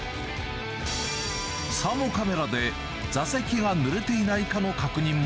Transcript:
サーモカメラで座席がぬれていないかの確認も。